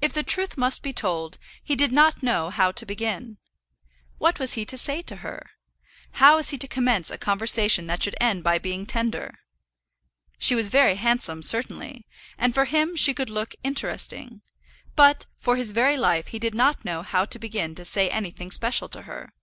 If the truth must be told, he did not know how to begin. What was he to say to her? How was he to commence a conversation that should end by being tender? She was very handsome certainly, and for him she could look interesting; but for his very life he did not know how to begin to say anything special to her.